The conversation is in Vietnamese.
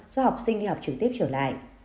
do học sinh đi học trực tiếp trở lại